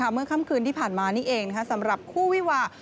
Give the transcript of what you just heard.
เมื่อค่ำคืนที่ผ่านมานี่เองสำหรับคู่วิวา